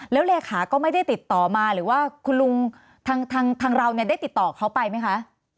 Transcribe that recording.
แล้วเลขาก็ไม่ได้ติดต่อมาหรือว่าคุณลุงทางเราเนี่ยได้ติดต่อเขาไปไหมคะ